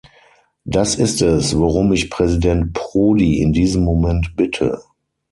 Das ist es, worum ich Präsident Prodi in diesem Moment bitte.